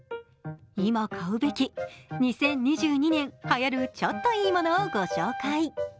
今買うべき２０２２年はやるちょっといいものをご紹介。